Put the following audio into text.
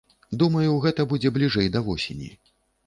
Думаю, гэта будзе бліжэй да восені.